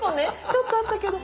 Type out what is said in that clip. ちょっとあったけど。